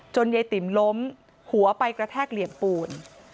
ยายติ๋มล้มหัวไปกระแทกเหลี่ยมปูน